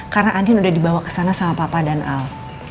karena andien udah dibawa ke sana sama papa dan al